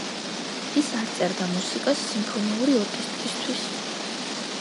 ის არ წერდა მუსიკას სიმფონიური ორკესტრისთვის.